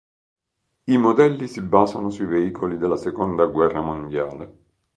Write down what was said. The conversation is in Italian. I modelli si basano sui veicoli della seconda guerra mondiale.